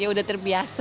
ya udah terbiasa